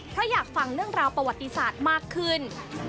เพราะอยากฟังเรื่องราวประวัติศาสตร์มากขึ้น